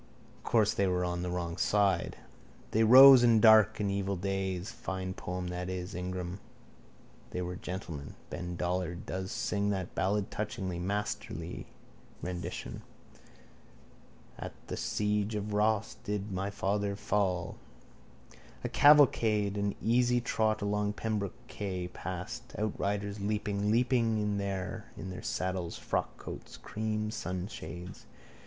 Course they were on the wrong side. They rose in dark and evil days. Fine poem that is: Ingram. They were gentlemen. Ben Dollard does sing that ballad touchingly. Masterly rendition. At the siege of Ross did my father fall. A cavalcade in easy trot along Pembroke quay passed, outriders leaping, leaping in their, in their saddles. Frockcoats. Cream sunshades.